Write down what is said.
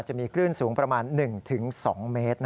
จะมีคลื่นสูงประมาณ๑๒เมตร